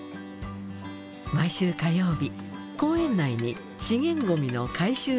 毎週火曜日公園内に資源ゴミの回収所を設置。